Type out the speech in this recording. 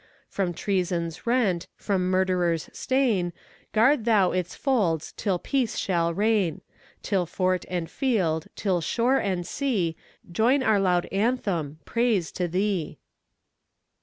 From treason's rent, from murderer's stain, Guard Thou its folds till peace shall reign, Till fort and field, till shore and sea, Join our loud anthem, Praise to Thee!